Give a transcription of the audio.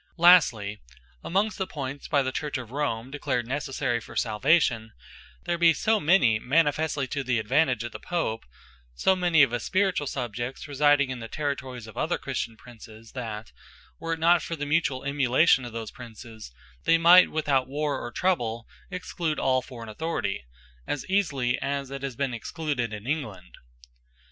Lastly, amongst the points by the Church of Rome declared necessary for Salvation, there be so many, manifestly to the advantage of the Pope, and of his spirituall subjects, residing in the territories of other Christian Princes, that were it not for the mutuall emulation of those Princes, they might without warre, or trouble, exclude all forraign Authority, as easily as it has been excluded in England.